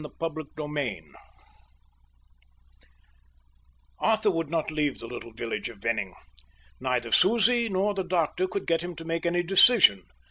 Chapter XVI Arthur would not leave the little village of Venning. Neither Susie nor the doctor could get him to make any decision.